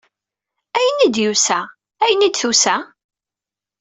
Ayen i d-yusa? Ayen i d-tusa?